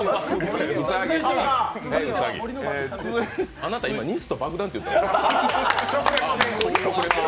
あなた、今、ニスと爆弾って言った、食レポで。